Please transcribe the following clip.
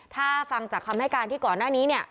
ถ้าฟังจากคำให้การที่ก่อนหน้านี้เนี่ย